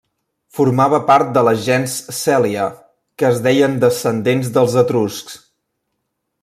Formava part de la gens Cèlia, que es deien descendents dels etruscs.